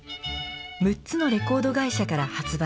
６つのレコード会社から発売されていた。